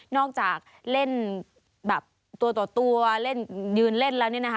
นอกจากเล่นตัวต่อตัวยืนเล่นแล้วเนี่ยนะคะ